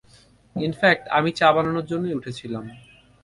In fact আমি চা বানানোর জন্যেই উঠেছিলাম।